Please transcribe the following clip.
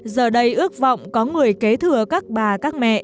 giờ đây ước vọng có người kế thừa các bà các mẹ